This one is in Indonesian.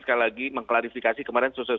sekali lagi mengklarifikasi kemarin sudah saya